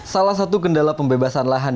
salah satu kendala pembebasan lahan